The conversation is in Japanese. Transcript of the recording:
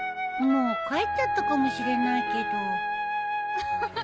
もう帰っちゃったかもしれないけど。